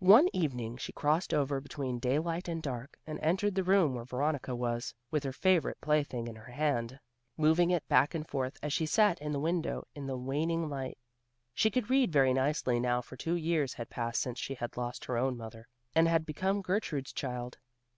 One evening she crossed over between daylight and dark, and entered the room where Veronica was, with her favorite plaything in her hand, moving it back and forth as she sat in the window in the waning light. She could read very nicely now for two years had passed since she had lost her own mother, and had become Gertrude's child.